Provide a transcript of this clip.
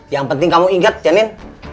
yang penting kamu ingat ya nin